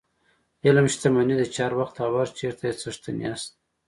علم شتمني ده چې هر وخت او هر چېرته یې څښتن یاست.